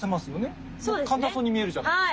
簡単そうに見えるじゃないですか。